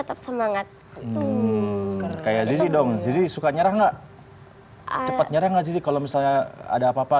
tetap semangat kayak gizi dong gizi suka nyerah nggak cepetnya enggak kalau misalnya ada apa apa